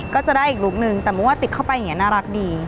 ก็จะได้อีกลุคนึงแต่มุ่งว่าติดเข้าไปอย่างนี้น่ารักดี